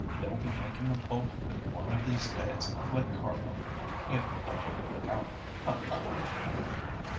They'll be making a bolt of it one of these days like Carlo, if I don't look out. Ha, ha!"